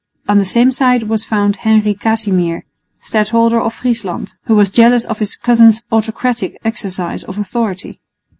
On the same side was found Henry Casimir, Stadholder of Friesland, who was jealous of his cousin's autocratic exercise of authority.